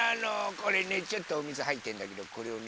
これねちょっとおみずはいってんだけどこれをね